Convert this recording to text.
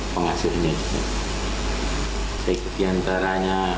penghasilnya sekian tarahnya